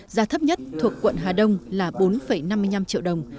giá thấp nhất thuộc quận hà đông là bốn năm mươi năm triệu đồng